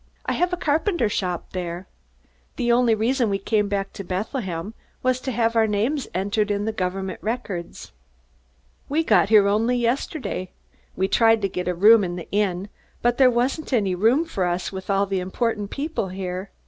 I have a carpenter shop there. The only reason we came back to Bethlehem was to have our names entered in the government records. "We got here only yesterday. We tried to get a room in the inn, but there wasn't any room for us with all the important people here.